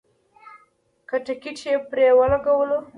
که ټکټ یې پرې ولګولو.